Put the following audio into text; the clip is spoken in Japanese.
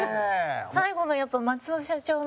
最後の、やっぱ、松尾社長の。